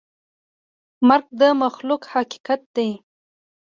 مرګ د مخلوق حقیقت دی.